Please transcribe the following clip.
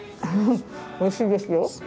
おいしいですよ。